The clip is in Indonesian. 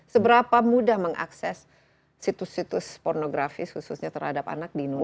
seberapa mudah mengakses situs situs pornografis khususnya terhadap anak di indonesia